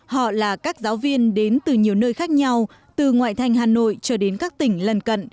họ là các giáo viên đến từ nhiều nơi khác nhau từ ngoại thành hà nội cho đến các tỉnh lần cận